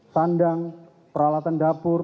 sandang peralatan dapur